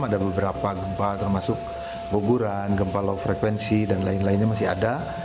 ada beberapa gempa termasuk guguran gempa low frekuensi dan lain lainnya masih ada